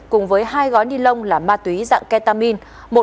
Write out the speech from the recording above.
cùng với hai gói nilon là ma túy dạng ketamine